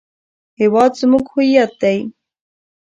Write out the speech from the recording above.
هېواد زموږ هویت دی